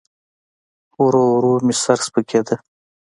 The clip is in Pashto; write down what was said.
ورو ورو مې سر سپکېده.